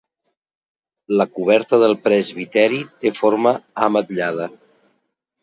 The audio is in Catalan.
La coberta del presbiteri té forma ametllada.